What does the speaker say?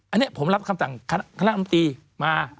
อันนี้ผมรับคำสั่งคณะอำตีมา